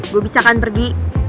gue bisa kan pergi